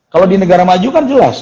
kalau di negara maju kan jelas